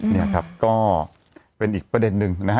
นี่ครับก็เป็นอีกประเด็นหนึ่งนะฮะ